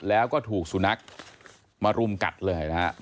แล้วก็ถูกสุนัขมารุมกัดเลยนะครับ